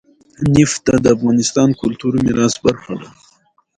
نفت د افغانستان د کلتوري میراث برخه ده.